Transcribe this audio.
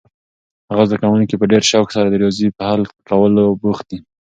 هغه زده کوونکی په ډېر شوق سره د ریاضي په حل کولو بوخت دی.